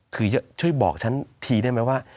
คือช่วยบอกฉันทีได้ไหมว่า